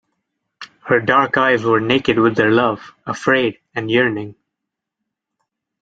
Her dark eyes were naked with their love, afraid, and yearning.